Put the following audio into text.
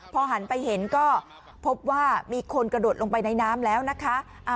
พอหันไปเห็นก็พบว่ามีคนกระโดดลงไปในน้ำแล้วนะคะ